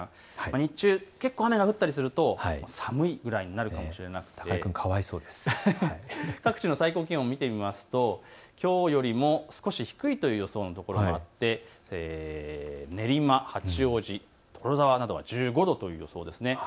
日中、雨が降ったりすると寒いくらいになるかもしれなくて、各地の最高気温を見てみますときょうよりも少し低いという予想もあって練馬、八王子、所沢など１５度という予想です。